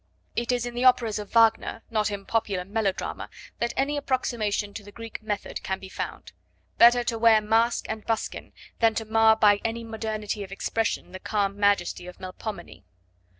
It is in the operas of Wagner, not in popular melodrama, that any approximation to the Greek method can be found. Better to wear mask and buskin than to mar by any modernity of expression the calm majesty of Melpomene.